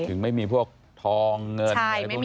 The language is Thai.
ถึงไม่มีพวกทองเงินอะไรพวกนี้